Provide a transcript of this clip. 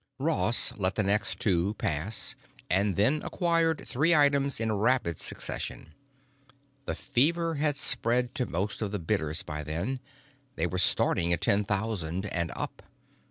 Ross let the next two pass and then acquired three items in rapid succession. The fever had spread to most of the bidders by then; they were starting at ten thousand and up.